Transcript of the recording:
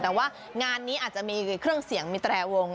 แต่ว่างานนี้อาจจะมีเครื่องเสียงมีแตรวง